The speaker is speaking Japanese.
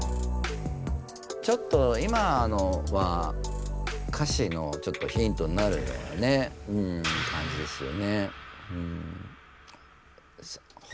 ちょっと今のは歌詞のヒントになるようなねかんじですよね。